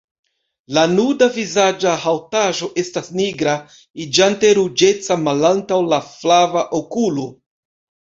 La nuda vizaĝa haŭtaĵo estas nigra, iĝante ruĝeca malantaŭ la flava okulo.